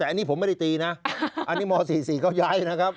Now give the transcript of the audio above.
แต่อันนี้ผมไม่ได้ตีนะอันนี้ม๔๔เขาย้ายนะครับ